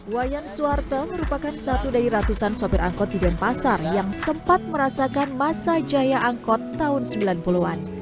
wayan suwarte merupakan satu dari ratusan sopir angkot di denpasar yang sempat merasakan masa jaya angkot tahun sembilan puluh an